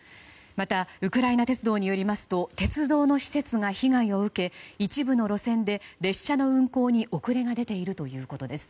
またウクライナ鉄道によりますと鉄道の施設が被害を受け、一部の路線で列車の運行に遅れが出ているということです。